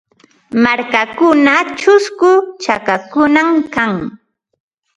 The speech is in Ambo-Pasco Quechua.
Markachaw chusku chakakunam kan.